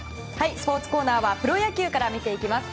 スポーツコーナーはプロ野球から見ていきます。